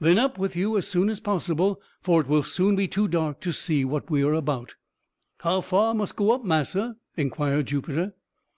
"Then up with you as soon as possible for it will soon be too dark to see what we are about." "How far mus' go up, massa?" inquired Jupiter.